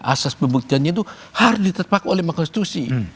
asas pembuktiannya itu harus ditepak oleh mahkamah konstitusi